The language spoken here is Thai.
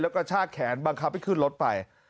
แล้วก็ชากแขนบังคับให้ขึ้นรถไป